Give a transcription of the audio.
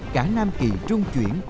cả nam kỳ trung chuyển